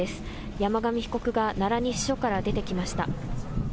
山上被告が奈良西署から出てきました。